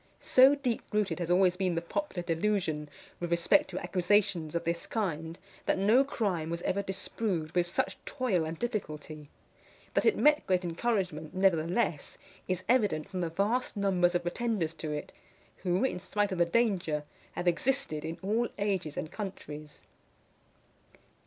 So deep rooted has always been the popular delusion with respect to accusations of this kind, that no crime was ever disproved with such toil and difficulty. That it met great encouragement, nevertheless, is evident from the vast numbers of pretenders to it; who, in spite of the danger, have existed in all ages and countries.